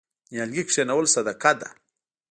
نیالګي کینول صدقه ده.